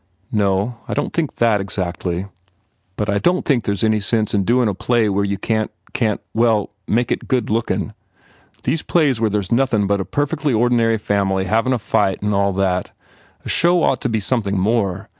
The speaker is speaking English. "No. I don t think that, exactly. But I don t 41 THE FAIR REWARDS think there s any sense in doin a play where you can t can t well, make it good lookin . These plays where there s nothin but a perfec ly ordinary family havin a fight and all that A show ought to be something more.